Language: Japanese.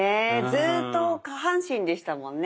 ずっと下半身でしたもんね